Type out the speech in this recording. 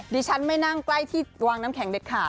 ดิฉันไม่นั่งใกล้ที่วางน้ำแข็งเด็ดขาด